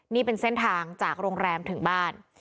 นี่เป็นเส้นทางจากโรงแรมถึงบ้าน